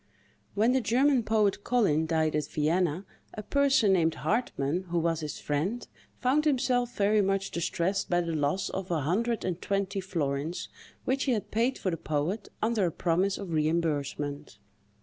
When the German poet Collin died at Vienna, a person named Hartmann, who was his friend, found himself very much distressed by the loss of a hundred and twenty florins, which he had paid for the poet, under a promise of reimbursement.